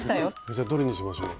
じゃどれにしましょう。